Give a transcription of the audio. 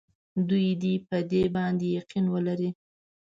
دوی دې په دې باندې یقین ولري.